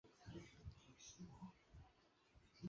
一阵天旋地转